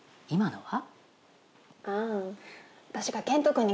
今のは？